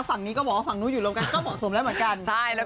ฝั่งนี้ก็บอกว่าฝั่งนู้นอยู่รวมกันก็เหมาะสมแล้วเหมือนกัน